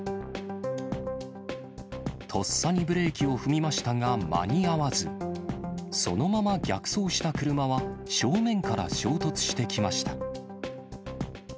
とっさにブレーキを踏みましたが間に合わず、そのまま逆走した車は正面から衝突してきました。